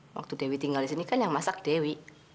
waktu dewi tinggal di sini kan yang masak dewi